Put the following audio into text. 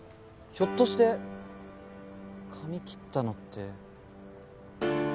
ひょっとして髪切ったのって。